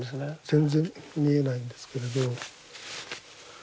全然見えないんですけれど。